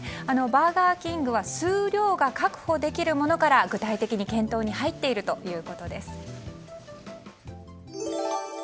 バーガーキングは数量が確保できるものから具体的に検討に入っているということです。